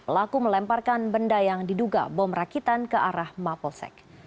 pelaku melemparkan benda yang diduga bom rakitan ke arah mapolsek